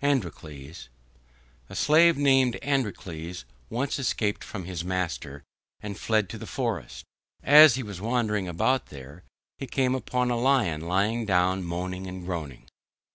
ANDROCLES A slave named Androcles once escaped from his master and fled to the forest. As he was wandering about there he came upon a Lion lying down moaning and groaning.